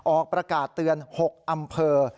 ออกประกาศเตือน๖อำเภอ